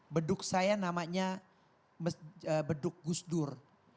beduk saya namanya beduk gus dur